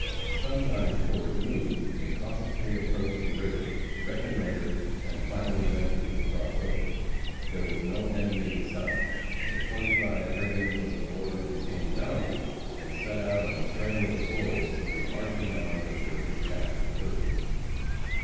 Sometime, toward noon, they cautiously approached the river, reconnoitered, and finally ventured to cross over. There was no enemy in sight, and the twenty five brigands of the border became valiant, and set out on the trail of the Boys who were marching on with the recaptured herds.